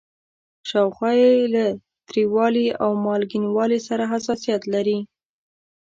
شاوخوا یې له تریوالي او مالګینوالي سره حساسیت لري.